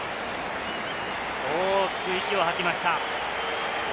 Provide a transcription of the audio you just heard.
大きく息を吐きました。